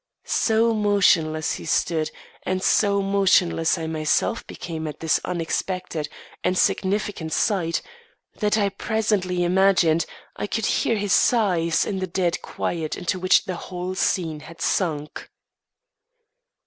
So motionless he stood, and so motionless I myself became at this unexpected and significant sight, that I presently imagined I could hear his sighs in the dread quiet into which the whole scene had sunk.